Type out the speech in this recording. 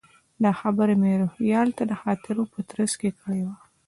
دا خبره مې روهیال ته د خاطرو په ترڅ کې کړې وه.